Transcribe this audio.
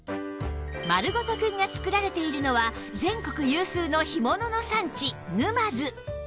まるごとくんが作られているのは全国有数の干物の産地沼津